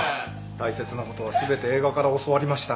大切なことは全て映画から教わりました。